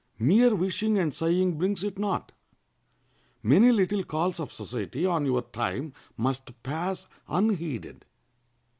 Mere wishing and sighing brings it not. Many little calls of society on your time must pass unheeded.